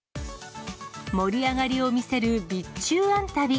盛り上がりを見せる備中あんたび。